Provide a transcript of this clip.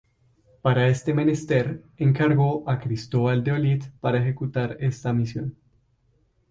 Para este menester, encargó a Cristóbal de Olid para ejecutar esta misión.